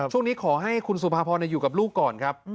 ช่วงนี้ขอให้คุณสุภาพรอยู่กับลูกก่อนครับ